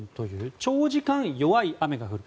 長時間、弱い雨が降る。